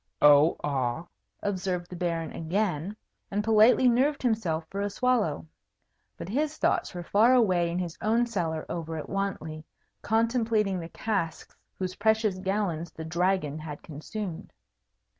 "Oh ah!" observed the Baron again, and politely nerved himself for a swallow. But his thoughts were far away in his own cellar over at Wantley, contemplating the casks whose precious gallons the Dragon had consumed.